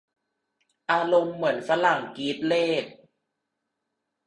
อารมณ์เหมือนฝรั่งกรี๊ดเลข